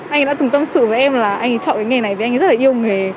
anh ấy đã từng tâm sự với em là anh ấy chọn cái nghề này vì anh ấy rất là yêu nghề